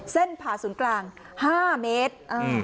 ผ่าศูนย์กลาง๕เมตร